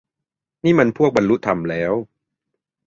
นี่มันพวกบรรลุธรรมแล้ว